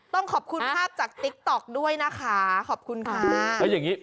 ต้องขอบคุณภาพจากติ๊กต๊อกด้วยนะคะขอบคุณค่ะ